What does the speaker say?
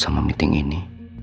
sama meeting ini